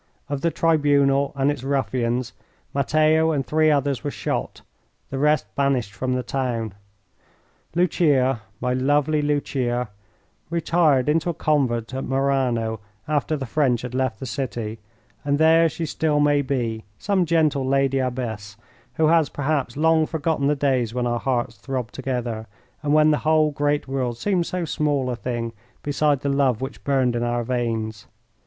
Of the tribunal and its ruffians, Matteo and three others were shot, the rest banished from the town. Lucia, my lovely Lucia, retired into a convent at Murano after the French had left the city, and there she still may be, some gentle lady abbess who has perhaps long forgotten the days when our hearts throbbed together, and when the whole great world seemed so small a thing beside the love which burned in our veins.